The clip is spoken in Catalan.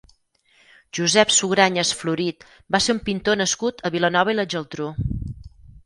Josep Sugrañes Florit va ser un pintor nascut a Vilanova i la Geltrú.